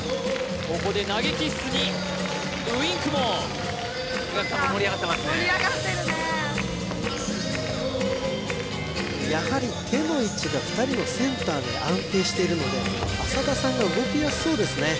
ここで投げキッスにウインクもやはり手の位置が２人のセンターで安定しているので浅田さんが動きやすそうですね